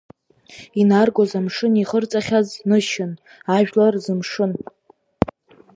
Инаргоз амшын ихырҵахьаз нышьын, ажәлар рзымшын…